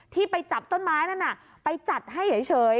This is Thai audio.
ที่ไปจับต้นไม้นั่นน่ะไปจัดให้เฉย